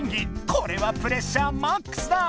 これはプレッシャーマックスだ！